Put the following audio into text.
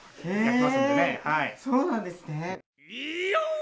そうなんですね。